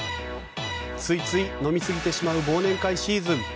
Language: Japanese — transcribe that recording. ついつい飲みすぎてしまう忘年会シーズン。